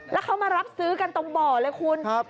แล้วเขามารับซื้อกันตรงบ่อเลยคุณ